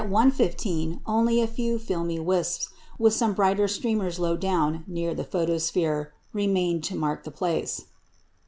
15 only a few filmy wisps, with some brighter streamers low down near the photosphere, remained to mark the place."